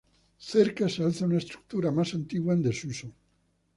Cerca se alza una estructura más antigua en desuso.